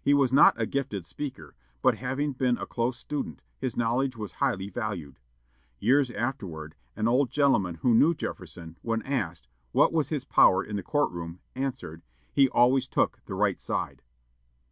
He was not a gifted speaker, but, having been a close student, his knowledge was highly valued. Years afterward, an old gentleman who knew Jefferson, when asked, "What was his power in the court room?" answered, "He always took the right side."